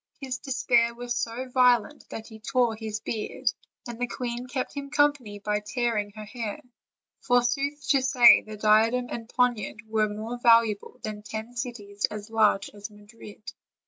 His despair was so violent that he tore his beard; and the queen kept him company by tearing her hair, for, sooth to say, the diadem and poniard were more valuable than ten cities as large as Madrid.